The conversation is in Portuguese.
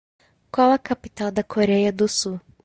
Qual a capital da Coreia do Sul?